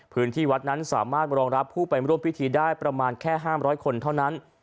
พื้นที่วัดนั้นสามารถรองรับผู้ไปร่วมพิธีได้ประมาณแค่๕๐๐คนเท่านั้น